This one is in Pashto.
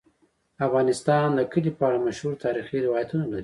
افغانستان د کلي په اړه مشهور تاریخی روایتونه لري.